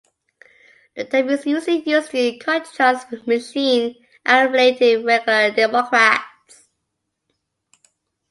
The term is usually used in contrast with machine-affiliated Regular Democrats.